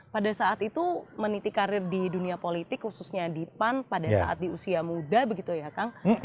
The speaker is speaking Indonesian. pada saat itu meniti karir di dunia politik khususnya di pan pada saat di usia muda begitu ya kang